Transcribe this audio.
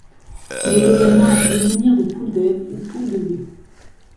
Il est également appelé menhir de Pouldève ou Poul Devé.